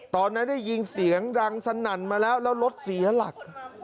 ตอนนั้นได้ยินเสียงดังสนั่นมาแล้วแล้วรถเสียหลัก